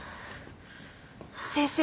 先生